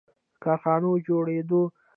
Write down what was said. • د کارخانو جوړېدو ښارونه بدل کړل.